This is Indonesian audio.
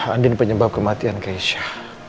andin penyebab kematian keisha